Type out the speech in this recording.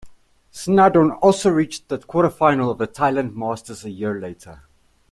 Snaddon also reached the quarter-final of the Thailand Masters a year later.